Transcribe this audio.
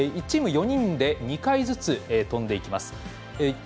１チーム４人で２回ずつ飛んでいきます。